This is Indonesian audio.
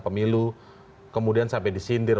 pemilu kemudian sampai disindir